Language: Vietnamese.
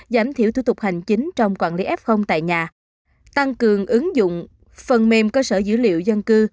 giảm thiểu thủ tục hành chính trong quản lý f tại nhà tăng cường ứng dụng phần mềm cơ sở dữ liệu dân cư